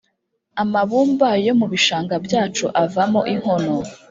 amabumba yo mu bishanga byacu avamo inkono